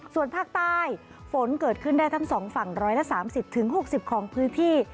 ส่วนภาคใต้ฝนเกิดขึ้นได้ทั้ง๒ฝั่ง๑๓๐๖๐ของพื้นที่